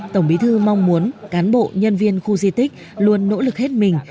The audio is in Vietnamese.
tổng bí thư mong muốn cán bộ nhân viên khu di tích luôn nỗ lực hết mình